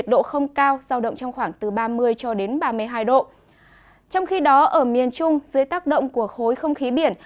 trong khi đó ở miền trung dưới tác động của khối không khí biển